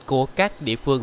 của các địa phương